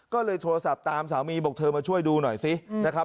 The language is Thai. ก็เลยโทรศัพท์ตามสามีบอกเธอมาช่วยดูหน่อยซินะครับ